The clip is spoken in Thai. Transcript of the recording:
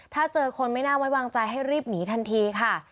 ถ้าเจอคนไม่น่าไว้วางใจให้รีบหนีทันทีค่ะ